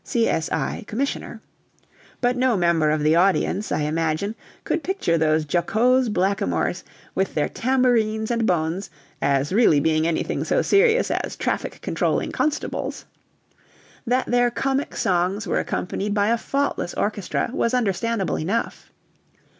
K.C.B., C.S.I., Commissioner"); but no member of the audience, I imagine, could picture those jocose blackamoors, with their tambourines and bones, as really being anything so serious as traffic controlling constables. That their comic songs were accompanied by a faultless orchestra was understandable enough.